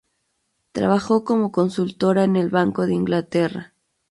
Trabajó como consultora en el Banco de Inglaterra.